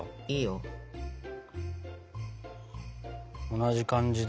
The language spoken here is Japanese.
同じ感じで。